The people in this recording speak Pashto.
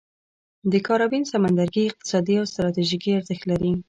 د کارابین سمندرګي اقتصادي او ستراتیژیکي ارزښت لري.